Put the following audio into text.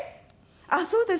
ああそうです。